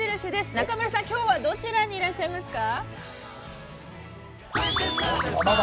中丸さん、きょうはどちらにいらっしゃいますか。